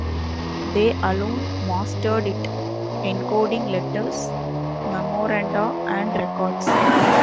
They alone mastered it, encoding letters, memoranda, and records.